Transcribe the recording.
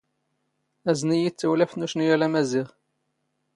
ⴰⵣⵏ ⵉⵢⵉ ⴷ ⵜⴰⵡⵍⴰⴼⵜ ⵏ ⵓⵛⵏⵢⴰⵍ ⴰⵎⴰⵣⵉⵖ.